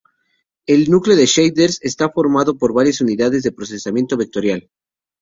El núcleo de shaders está formado por varias unidades de procesamiento vectorial.